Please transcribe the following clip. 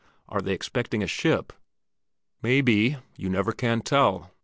"Are they expecting a ship?" "May be. You never can tell!"